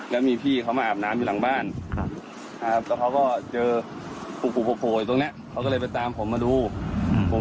แล้วมีพี่เค้ามาอาบน้ำอยู่หลังบ้าน